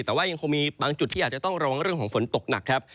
แต่ว่ายังคงมีบางจุดที่อาจจะต้องระวังเรื่องของฝนตกหนักครับ